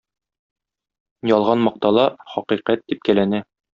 Ялган мактала, хакыйкать типкәләнә.